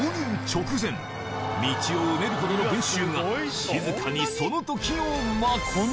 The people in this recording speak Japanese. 道を埋めるほどの群衆が静かにその時を待つ